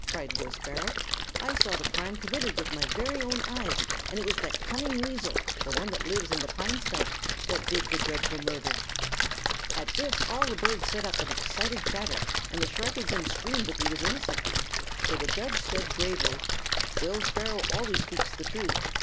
cried Will Sparrow. 'I saw the crime committed with my own eyes, and it was the cunning weasel the one that lives in the pine stump that did the dreadful murder.' "At this all the birds set up an excited chatter, and the shrike again screamed that he was innocent. So the judge said, gravely: 'Will Sparrow always speaks the truth.